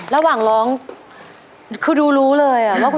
สวรรค์